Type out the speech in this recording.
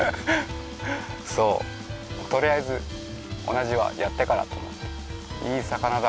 そうとりあえず同じ岩やってからと思っていい魚だ